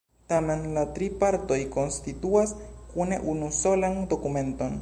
Tamen la tri partoj konstituas kune unusolan dokumenton.